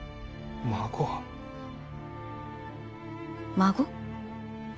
孫？